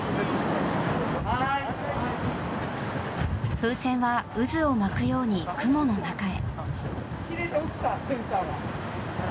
風船は渦を巻くように雲の中へ。